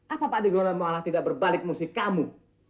apa pak digono malah tidak berbalik musik kamu